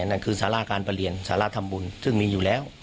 นั่นคือสาราการประเรียนสาราทำบุญซึ่งมีอยู่แล้ว